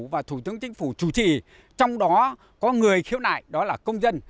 và thủ tướng chính phủ chủ trì trong đó có người khiếu nại đó là công dân